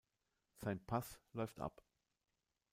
Sein Pass läuft ab.